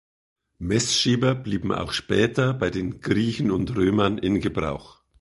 Messschieber blieben auch später bei den Griechen und Römern in Gebrauch.